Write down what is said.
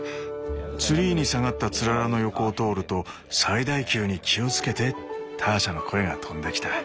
ツリーに下がったつららの横を通ると「最大級に気をつけて」ターシャの声が飛んできた。